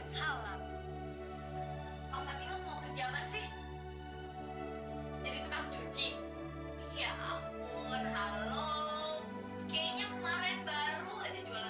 hai mudah mudahan itu sementara iba